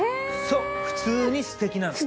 そう普通にすてきなの。